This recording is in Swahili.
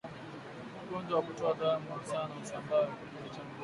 Ugonjwa wa kutoka damu sana husambaa kipindi cha mvua